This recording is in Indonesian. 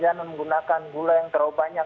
jangan menggunakan gula yang terlalu banyak